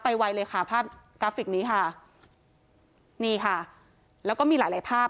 ไวเลยค่ะภาพกราฟิกนี้ค่ะนี่ค่ะแล้วก็มีหลายหลายภาพ